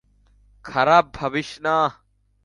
খারাপ ভাবিস না।